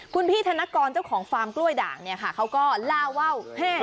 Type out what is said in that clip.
คุณพี่ธนกรเจ้าของฟาร์มกล้วยด่างเนี่ยค่ะเขาก็ล่าว่า